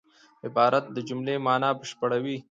عبارت د جملې مانا بشپړوي.